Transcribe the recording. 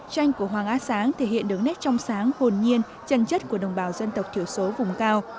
tranh của hoàng á sáng thể hiện được nét trong sáng hồn nhiên chân chất của đồng bào dân tộc thiểu số vùng cao